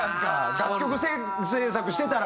楽曲制作してたら。